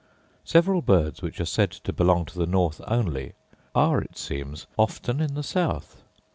Several birds, which are said to belong to the north only, are, it seems, often in the south.